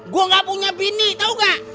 gue gak punya bini tahu gak